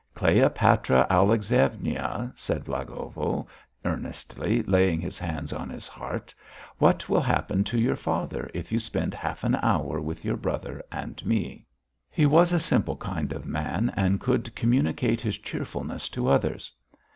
"Cleopatra Alexeyevna," said Blagovo earnestly, laying his hands on his heart, "what will happen to your father if you spend half an hour with your brother and me?" He was a simple kind of man and could communicate his cheerfulness to others.